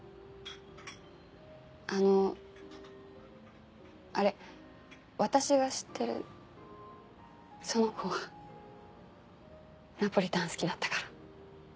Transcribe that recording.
あのあれ私が知ってるその子はナポリタン好きだったから。